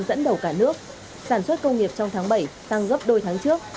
dẫn đầu cả nước sản xuất công nghiệp trong tháng bảy tăng gấp đôi tháng trước